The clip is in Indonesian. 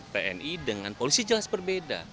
pni dengan polisi jelas berbeda